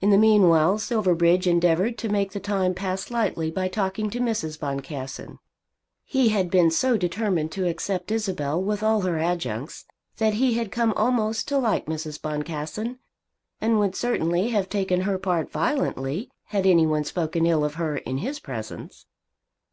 In the meanwhile Silverbridge endeavoured to make the time pass lightly by talking to Mrs. Boncassen. He had been so determined to accept Isabel with all her adjuncts that he had come almost to like Mrs. Boncassen, and would certainly have taken her part violently had any one spoken ill of her in his presence.